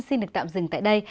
xin được tạm dừng tại đây